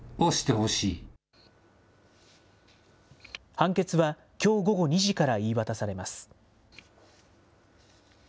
判決は、きょう午後２時から言い渡されます。